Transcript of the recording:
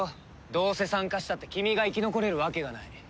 どうせ参加したって君が生き残れるわけがない。